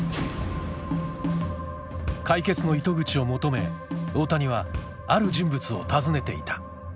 解決の糸口を求め大谷はある人物を訪ねていた。